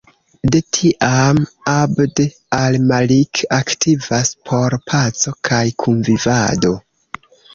De tiam, Abd al Malik aktivas por paco kaj kunvivado.